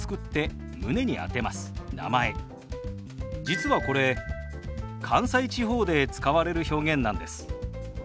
実はこれ関西地方で使われる表現なんです。